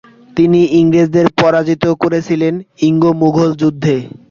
তিনি ইংরেজদের পরাজিত করেছিলেন ইঙ্গ-মুঘল যুদ্ধে।